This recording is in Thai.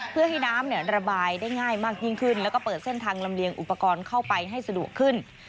เพื่อให้น้ำระบายได้ง่ายมากยิ่งขึ้นแล้วก็เปิดเส้นทางลำเลียงอุปกรณ์เข้าไปให้สะดวกขึ้น